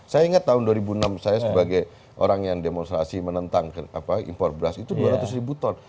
saya ingat tahun dua ribu enam saya sebagai orang yang demonstrasi menentang impor beras itu dua ratus ribu ton